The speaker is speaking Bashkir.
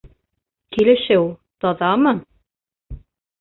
Килешеү «таҙамы»?